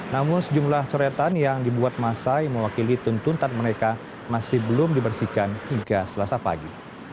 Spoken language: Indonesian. namun sejumlah coretan yang dibuat masa yang mewakili tuntutan mereka masih belum dibersihkan hingga selasa pagi